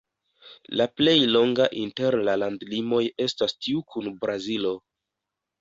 La plej longa inter la landlimoj estas tiu kun Brazilo.